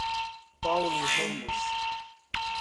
Paulo Ramos